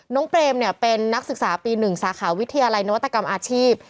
เปรมเนี่ยเป็นนักศึกษาปี๑สาขาวิทยาลัยนวัตกรรมอาชีพ